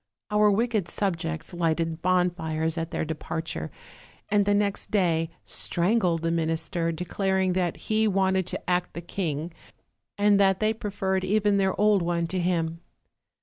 Our wicked subjects lighted bonfires at their departure, and the next day strangled the minister, declar ing that he wanted to act the king, and that they pre ferred even their old one to him.